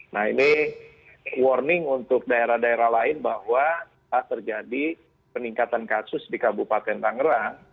nah ini warning untuk daerah daerah lain bahwa terjadi peningkatan kasus di kabupaten tangerang